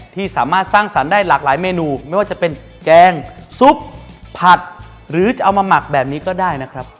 ที่สามารถสร้างสรรค์ได้หลากหลายเมนูไม่ว่าจะเป็นแกงซุปผัดหรือจะเอามาหมักแบบนี้ก็ได้นะครับ